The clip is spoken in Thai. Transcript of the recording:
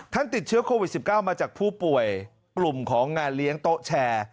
ติดเชื้อโควิด๑๙มาจากผู้ป่วยกลุ่มของงานเลี้ยงโต๊ะแชร์